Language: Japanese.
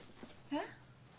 えっ？